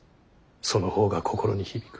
その方が心に響く。